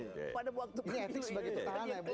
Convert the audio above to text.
ini etik sebagai petahana ya bu